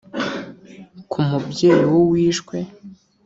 Ku mubyeyi w’uwishwe